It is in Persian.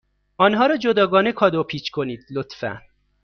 آنها را جداگانه کادو پیچ کنید، لطفا.